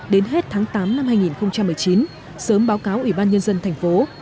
đến hết tháng tám năm hai nghìn một mươi chín sớm báo cáo ủy ban nhân dân thành phố